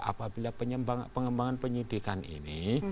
apabila pengembangan penyidikan ini